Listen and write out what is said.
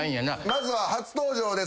まずは初登場です。